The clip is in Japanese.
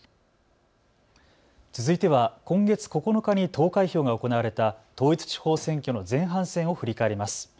続いては今月９日に投開票が行われた統一地方選挙の前半戦を振り返ります。